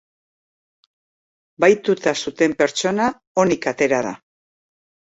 Bahituta zuten pertsona onik atera da.